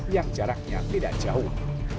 yang jaraknya tidak jauh